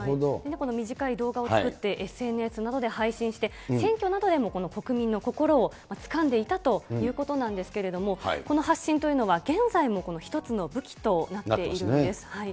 短い動画を作って、ＳＮＳなどで配信して、選挙などでもこの国民の心をつかんでいたということなんですけれども、この発信というのは、現在も一つの武器となっているんです。